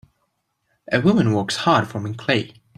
A woman works hard forming clay